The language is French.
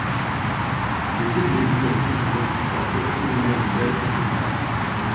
Le film débute dans le futur, alors que la Seconde Guerre mondiale est terminée.